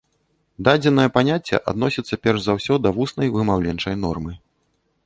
Дадзенае паняцце адносіцца перш за ўсе да вуснай, вымаўленчай нормы.